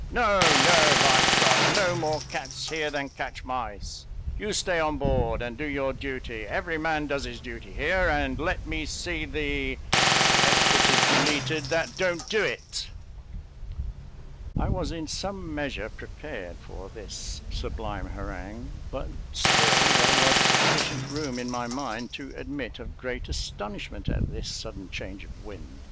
No, no, by G ; no more cats here than catch mice. You stay on board, and do your duty: every man does his duty here; and let me see the that don't do it!" I was in some measure prepared for this sublime harangue; but still there was sufficient room in my mind to admit of great astonishment at this sudden change of wind.